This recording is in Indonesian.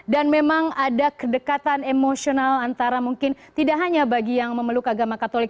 dan memang ada kedekatan emosional antara mungkin tidak hanya bagi yang memeluk agama katolik